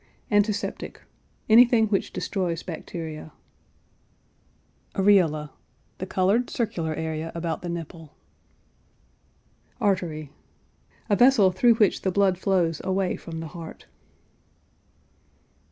ANTISEPTIC. Anything which destroys bacteria. AREOLA. The colored, circular area about the nipple. ARTERY. A vessel through which the blood flows away from the heart.